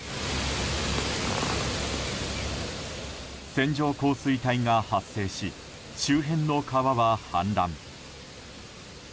線状降水帯が発生し周辺の川は氾濫。